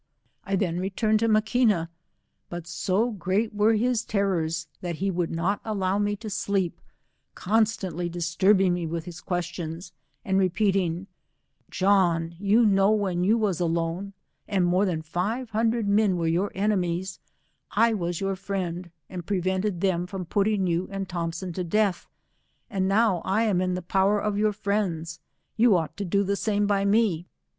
I then returned to Maquina, but so great were his terrors, that he would not allow me to sleep, constantly disturbing me with his questions, and repeating, "John, you know when you was alone, and more than five hundred men were your enemies, I was your friend, and prevented them from put ting yoa and Thompson to death, and now I am in the power of your friends, you ought to do the same by me.